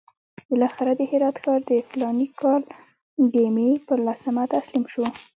بالاخره د هرات ښار د فلاني کال د مې پر لسمه تسلیم شو.